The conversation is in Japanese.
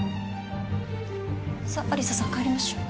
さっ有沙さん帰りましょう。